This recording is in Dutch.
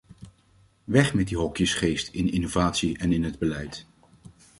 Weg met die hokjesgeest in innovatie en in het beleid.